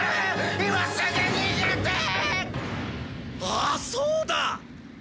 あっそうだ！